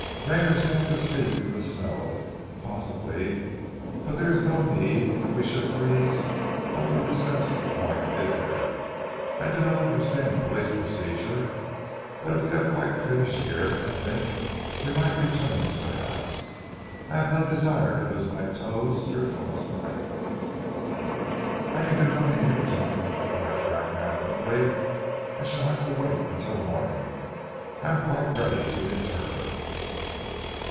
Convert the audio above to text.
Rayner stamped his feet in the snow. "Possibly! But there is no need that we should freeze, whilst we discuss the point, is there? I do not understand police procedure, but if you have quite finished here, I think we might return to the house. I have no desire to lose my toes through frost bite." "I can do nothing here, tonight," replied Bracknell quickly. "I shall have to wait until morning. I am quite ready to return."